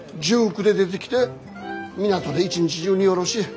１９で出てきて港で一日中荷降ろし。